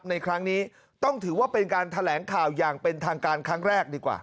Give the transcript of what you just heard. ในครั้งนี้ต้องถือว่าเป็นการแถลงข่าวอย่างเป็นทางการครั้งแรกดีกว่า